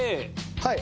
はい。